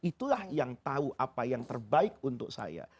itulah yang tahu apa yang terbaik untuk saya